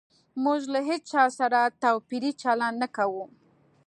موږ له هيچا سره توپيري چلند نه کوو